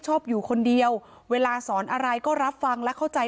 ชอบอยู่คนเดียวเวลาสอนอะไรก็รับฟังและเข้าใจ